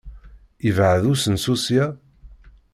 Yebɛed usensu ssya?